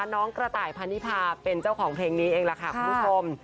กระต่ายพันนิพาเป็นเจ้าของเพลงนี้เองล่ะค่ะคุณผู้ชม